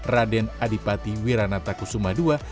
raden adipati wiranata kusuma ii